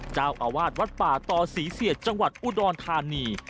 เจ้าอาวาสวัดป่าต่อเสียดที่อุดรธานี